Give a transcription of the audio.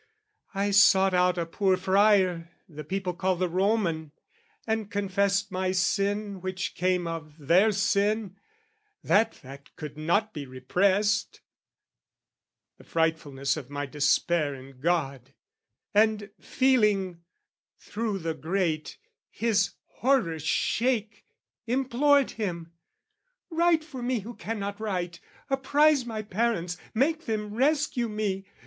I sought out a poor friar the people call The Roman, and confessed my sin which came Of their sin, that fact could not be repressed, The frightfulness of my despair in God: And, feeling, through the grate, his horror shake, Implored him, "Write for me who cannot write, "Apprise my parents, make them rescue me!